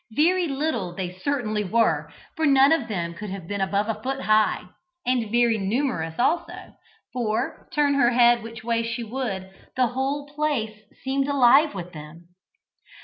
Very little they certainly were, for none of them could have been above a foot high, and very numerous also, for, turn her head which way she would, the whole place seemed alive with them.